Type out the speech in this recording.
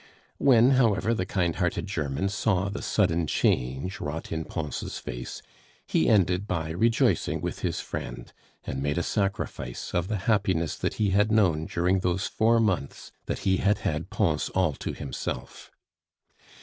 When, however, the kind hearted German saw the sudden change wrought in Pons' face, he ended by rejoicing with his friend, and made a sacrifice of the happiness that he had known during those four months that he had had Pons all to himself.